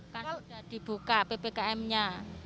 sekarang sudah dibuka ppkm nya